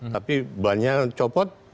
tapi banyak yang copot